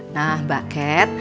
nah mbak kat